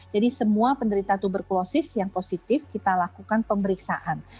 jadi semua penderita tuberkulosis yang positif kita lakukan pemeriksaan